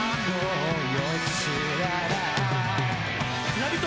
「ラヴィット！」